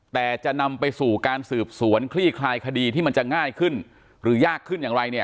แต่จะนำไปสู่การสืบสวนคลี่คลายคดีที่มันจะง่ายขึ้นหรือยากขึ้นอย่างไรเนี่ย